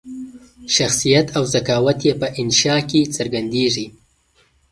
شخصیت او ذکاوت یې په انشأ کې څرګندیږي.